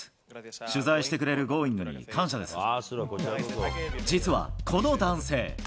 取材してくれるＧｏｉｎｇ！に感実はこの男性。